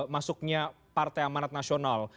masuknya partai amanat nasional